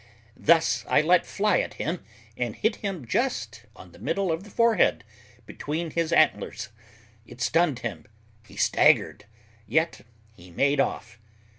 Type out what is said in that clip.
Thus I let fly at him, and hit him just on the middle of the forehead, between his antlers; it stunned him he staggered yet he made off.